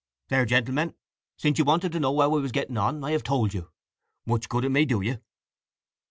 There, gentlemen, since you wanted to know how I was getting on, I have told you. Much good may it do you!